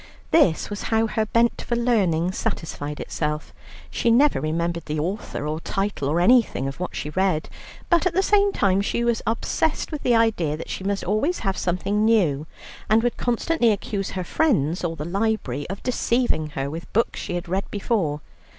This was how her bent for learning satisfied itself. She never remembered the author, or title, or anything of what she read, but at the same time she was obsessed with the idea that she must always have something new, and would constantly accuse her friends, or the library, of deceiving her with books she had read before.